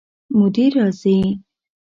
مدیر راځي؟